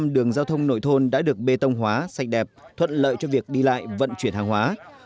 một trăm đường giao thông nội thôn đã được bê tông hóa sạch đẹp thuận lợi cho việc đi lại vận chuyển hàng hóa